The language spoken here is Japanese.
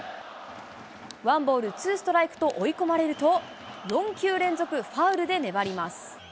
ワンボールツーストライクと追い込まれると、４球連続ファウルで粘ります。